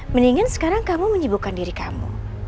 mendingan sekarang kamu menyibukkan diri kamu